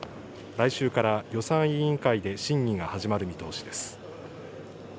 来週から予算委員会で審議が始まる見通しです。